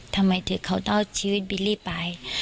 ทำไมถึงเขาต้องเอาชีวิตบิลลี่ไป